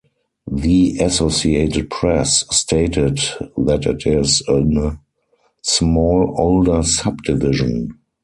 The Associated Press stated that it is in "a small, older subdivision".